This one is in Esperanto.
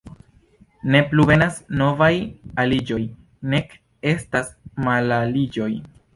Ne plu venas novaj aliĝoj, nek estas malaliĝoj.